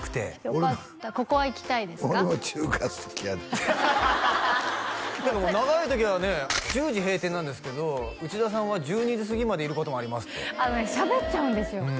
俺も中華好きやで何かもう長い時はね１０時閉店なんですけど内田さんは１２時すぎまでいることもありますってあのねしゃべっちゃうんですよ